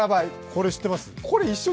これ知ってます？